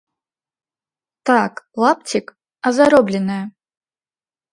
Так, лапцік, а заробленае!